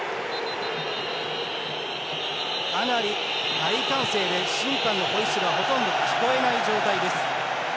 大歓声で審判のホイッスルがほとんど聞こえない状態です。